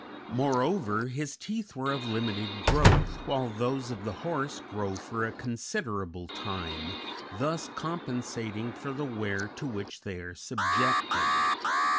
Moreover, his teeth were of limited growth, while those of the horse grow for a considerable time, thus compensating for the wear to which they are subjected.